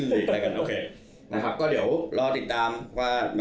แบบน้ำที่หลีกนะครับ